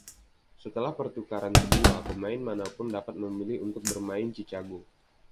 Setelah pertukaran kedua, pemain mana pun dapat memilih untuk bermain "Chicago".